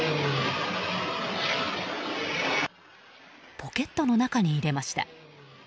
ポケットの中に入れました。